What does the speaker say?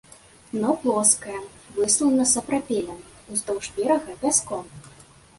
Дно плоскае, выслана сапрапелем, уздоўж берага пяском.